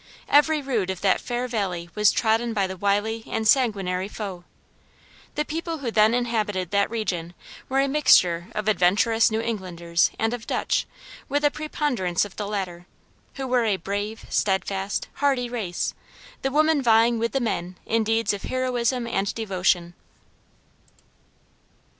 Every rood of that fair valley was trodden by the wily and sanguinary foe. The people who then inhabited that region were a mixture of adventurous New Englanders and of Dutch, with a preponderance of the latter, who were a brave, steadfast, hardy race; the women vieing with the men in deeds of heroism and devotion.